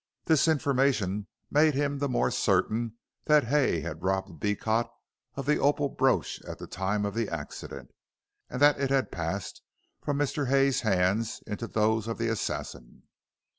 This information made him the more certain that Hay had robbed Beecot of the opal brooch at the time of the accident, and that it had passed from Mr. Hay's hands into those of the assassin.